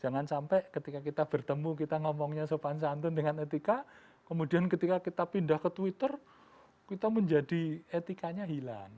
jangan sampai ketika kita bertemu kita ngomongnya sopan santun dengan etika kemudian ketika kita pindah ke twitter kita menjadi etikanya hilang